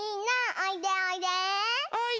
おいで。